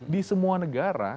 di semua negara